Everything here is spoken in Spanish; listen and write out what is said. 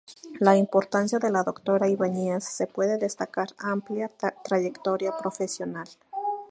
La importancia de la Doctora Ibáñez se puede destacar amplia trayectoria profesional.